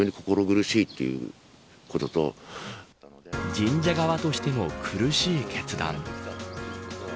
神社側としても苦しい決断。